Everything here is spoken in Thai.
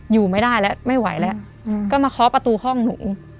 อยู่ไม่ได้แล้วไม่ไหวแล้วก็มาเคาะประตูห้องหนู